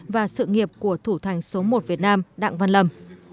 và sự nghiệp của thủ thành số một việt nam đặng văn lâm